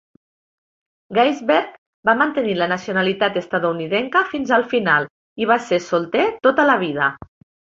Gaisberg va mantenir la nacionalitat estatunidenca fins al final i va ser solter tota la vida.